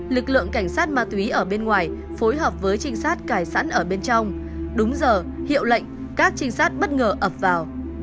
lực lượng cảnh sát ma túy ở bên ngoài phối hợp với trinh sát cải sẵn ở bên trong đúng giờ hiệu lệnh các trinh sát bất ngờ ập vào